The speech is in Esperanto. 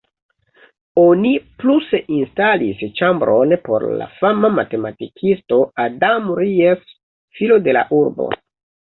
Oni pluse instalis ĉambron por la fama matematikisto Adam Ries, filo de la urbo.